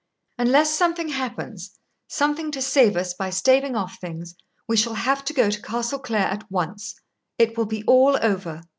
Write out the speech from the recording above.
"Unless something happens, something to save us by staving off things, we shall have to go to Castle Clare at once. It will be all over.